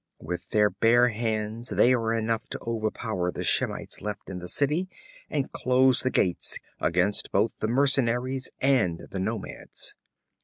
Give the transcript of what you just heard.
With their bare hands they are enough to overpower the Shemites left in the city and close the gates against both the mercenaries and the nomads.